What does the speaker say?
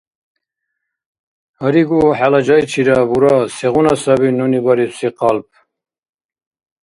— Гьаригу, хӏела жайчира, бура сегъуна сабил нуни барибси къалп.